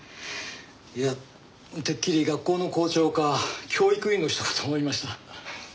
いやてっきり学校の校長か教育委員の人かと思いました。